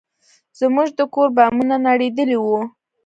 زموږ د کور بامونه نړېدلي وو.